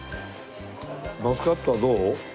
マスカットはどう？